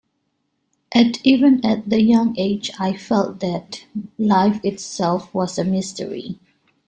And even at the young age, I felt that life itself was a mystery.